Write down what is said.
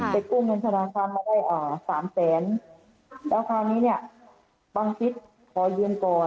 กู้เงินธนาคารมาได้สามแสนแล้วคราวนี้เนี่ยบังฟิศขอยืมก่อน